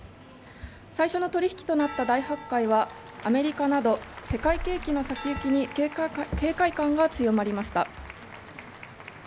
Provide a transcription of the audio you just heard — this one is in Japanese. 最初の取引となった大発会はアメリカなど世界景気の先行きに警戒感が強まりました。